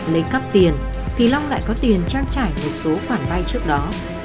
lấy cắp tiền thì long lại có tiền trang trải một số khoản vay trước đó